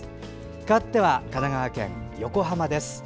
かわっては神奈川県横浜です。